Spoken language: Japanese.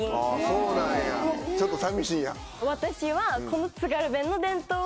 そうなんやちょっと寂しいんや。